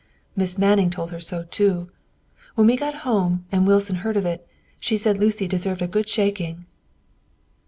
Miss Manning told her so too. When we got home, and Wilson heard of it, she said Lucy deserved a good shaking."